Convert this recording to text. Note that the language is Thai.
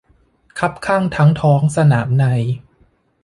คับคั่งทั้งท้องสนามใน